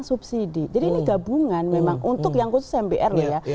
jadi ini gabungan memang untuk yang khusus mbr ya